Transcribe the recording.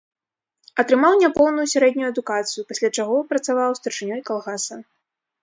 Атрымаў няпоўную сярэднюю адукацыю, пасля чаго працаваў старшынёй калгаса.